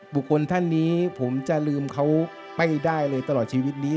ท่านนี้ผมจะลืมเขาไม่ได้เลยตลอดชีวิตนี้